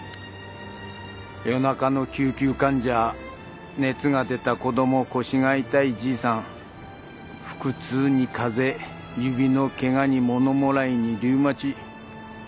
夜中の救急患者熱が出た子供腰が痛いじいさん腹痛に風邪指のケガに物もらいにリウマチ。